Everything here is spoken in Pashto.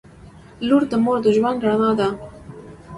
• لور د مور د ژوند رڼا ده.